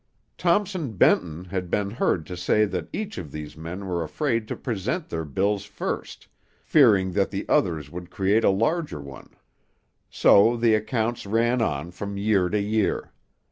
Thompson Benton had been heard to say that each of these men were afraid to present their bills first, fearing that the others would create a larger one; so the accounts ran on from year to year.